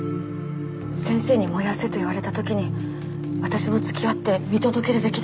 先生に燃やせと言われたときに私も付き合って見届けるべきでした。